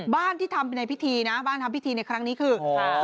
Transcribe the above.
บ้านที่ทำในพิธีนะบ้านที่ทำพิธีในครั้งนี้คือ